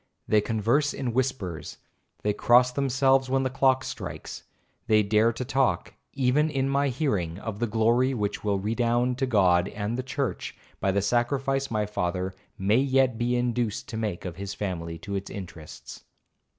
They converse in whispers—they cross themselves when the clock strikes—they dare to talk, even in my hearing, of the glory which will redound to God and the church, by the sacrifice my father may yet be induced to make of his family to its interests.